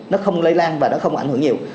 nó không lây lan và nó không ảnh hưởng nhiều